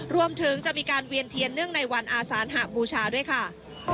รวมถึงจะมีการเวียนเทียนเนื่องในวันอาสานหบูชาด้วยค่ะ